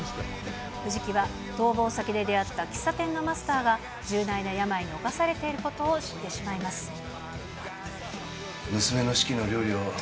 藤木は逃亡先で出会った喫茶店のマスターが、重大な病に侵されていることを知ってしまいます。